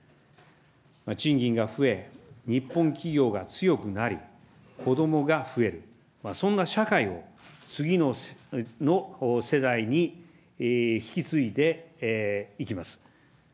賃金が増え、日本企業が強くなり、子どもが増える、そんな社会を次の世代に引き継いでいきます。